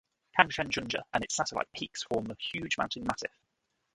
Kangchenjunga and its satellite peaks form a huge mountain massif.